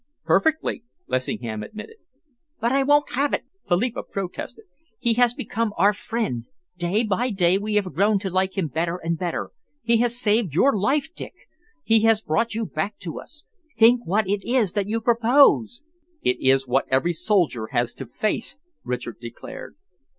"Perfectly," Lessingham admitted. "But I won't have it!" Philippa protested. "He has become our friend. Day by day we have grown to like him better and better. He has saved your life, Dick. He has brought you back to us. Think what it is that you purpose!" "It is what every soldier has to face," Richard declared.